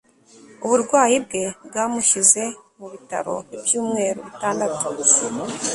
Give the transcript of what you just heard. uburwayi bwe bwamushyize mu bitaro ibyumweru bitandatu